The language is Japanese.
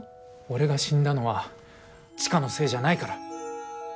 俺が死んだのは千佳のせいじゃないから。